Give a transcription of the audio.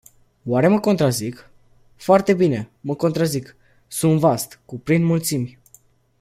Oare mă contrazic? Foarte bine, mă contrazic. Sunt vast, cuprind mulțimi.